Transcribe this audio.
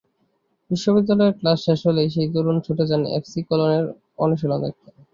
বিশ্ববিদ্যালয়ের ক্লাস শেষ হলেই সেই তরুণ ছুটে যান এফসি কোলনের অনুশীলন দেখতে।